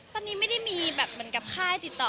ตอนนี้ไม่ได้มีแบบเงี้ยกกับใครติดต่อ